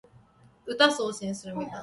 ハイエナで立ち回る。